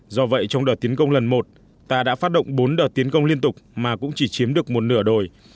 do vậy trong đợt tiến công lần một ta đã phát động bốn đợt tiến công liên tục mà cũng chỉ chiếm được một nửa đồi